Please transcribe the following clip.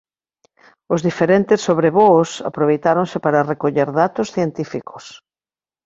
Os diferentes sobrevoos aproveitáronse para recoller datos científicos.